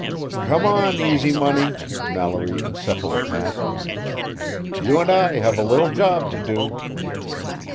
Come on, Easy Money, Mallory encephalopathed. _You and I have a little job to do.